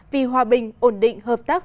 vì hòa bình ổn định hợp tác